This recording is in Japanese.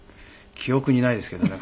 記憶にないですけどね